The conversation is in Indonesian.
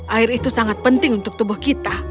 air itu sangat penting untuk tubuh kita